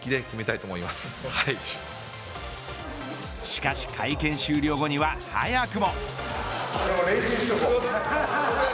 しかし会見終了後には早くも。